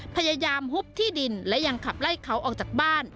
พยายามหุบที่ดินและยังขับไล่เขาออกจากบ้าน